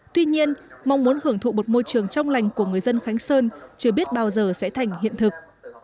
tuy nhiên mong muốn hưởng thụ một môi trường trong lành của người dân khánh sơn chưa biết bao giờ sẽ thành hiện thực